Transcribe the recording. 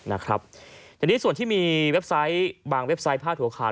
ในส่วนที่มีบางเว็บไซต์พาดหัวขาด